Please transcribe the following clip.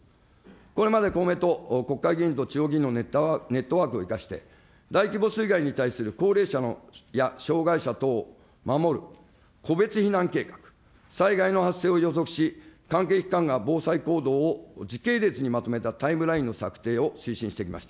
これまで公明党、国会議員と地方議員のネットワークを生かして、大規模水害に対する高齢者や障害者等を守る個別避難計画、災害の発生を予測し、関係機関が防災行動を時系列にまとめたタイムラインの作成を推進してきました。